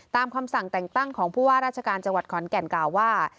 คำสั่งแต่งตั้งของผู้ว่าราชการจังหวัดขอนแก่นกล่าวว่า